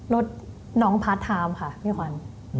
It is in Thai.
รถน้องพาร์ทไทม์ค่ะพี่ขวัญ